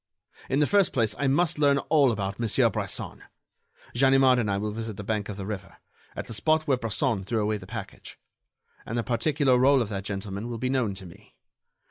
In the first place, I must learn all about Monsieur Bresson. Ganimard and I will visit the bank of the river, at the spot where Bresson threw away the package, and the particular rôle of that gentleman will be known to me.